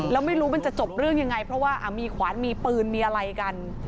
แล้วไม่รู้มันจะจบเรื่องยังไงเพราะว่ามีขวานมีปืนมีอะไรกัน